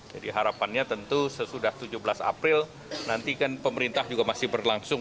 jadi harapannya tentu sesudah tujuh belas april nanti kan pemerintah juga masih berlangsung